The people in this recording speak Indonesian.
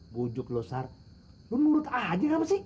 bujuk lu sar lu nurut aja